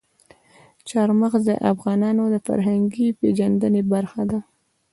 چار مغز د افغانانو د فرهنګي پیژندنې برخه ده.